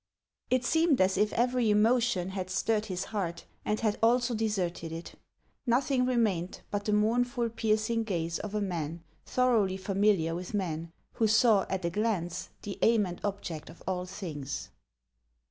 It seemed as if every emotion had stirred his heart, and had also de serted it ; nothing remained but the mournful, piercing gaze of a man thoroughly familiar with men, who saw, at a glance, the aim and object of all things.